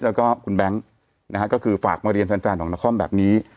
แล้วก็คุณแบงค์นะฮะก็คือฝากมาเรียนแฟนของนครแบบนี้